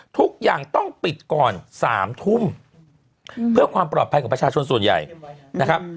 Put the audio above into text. ทุกอย่างต้องปิดก่อน๓ทุ่มเพื่อความปลอดภัยของประชาชนส่วนใหญ่นะครับ